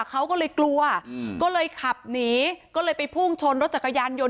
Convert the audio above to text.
เขาก็เลยกลัวก็เลยขับหนีก็เลยไปพุ่งชนรถจักรยานยนต